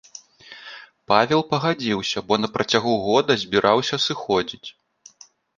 Павел пагадзіўся, бо на працягу года збіраўся сыходзіць.